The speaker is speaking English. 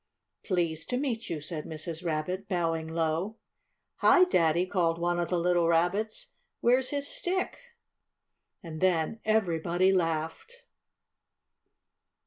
"Pleased to meet you," said Mrs. Rabbit, bowing low. "Hi, Daddy!" called one of the little Rabbits, "where's his stick?" And then everybody laughed.